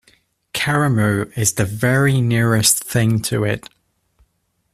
Karamu is the very nearest thing to it.